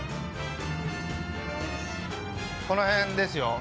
この辺ですよ。